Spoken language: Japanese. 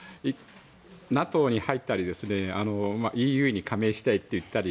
ＮＡＴＯに入ったりＥＵに加盟したいと言ったり